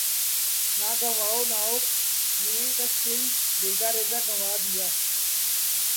نہ گنواؤ ناوک نیم کش دل ریزہ ریزہ گنوا دیا